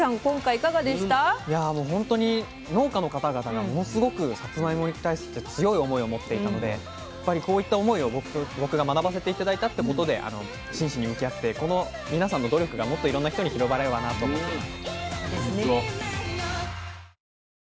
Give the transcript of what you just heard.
いやもうほんとに農家の方々がものすごくさつまいもに対して強い思いを持っていたのでやっぱりこういった思いを僕が学ばせて頂いたってことで真摯に向き合ってこの皆さんの努力がもっといろんな人に広がればなと思ってます。